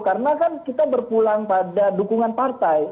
karena kan kita berpulang pada dukungan partai